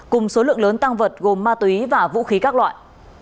cùng số lượng lớn tăng vật gồm ma túy và vũ khí các loại